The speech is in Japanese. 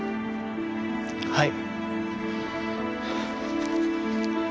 はい。